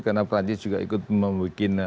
karena perancis juga ikut membuat